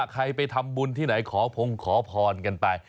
ใครไปทำบุญที่ไหนขอพงขอพรกันไป